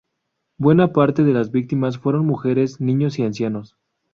Buena parte de las víctimas fueron mujeres, niños y ancianos.